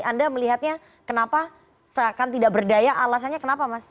anda melihatnya kenapa seakan tidak berdaya alasannya kenapa mas